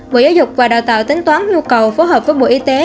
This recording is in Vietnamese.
bộ giáo dục và đào tạo tính toán nhu cầu phối hợp với bộ y tế